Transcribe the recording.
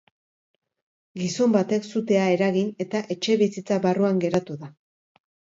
Gizon batek sutea eragin eta etxebizitza barruan geratu da.